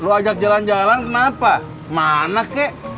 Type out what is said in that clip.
lo ajak jalan jalan kenapa kemana kek